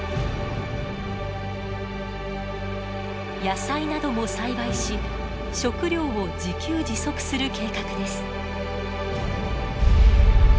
野菜なども栽培し食料を自給自足する計画です。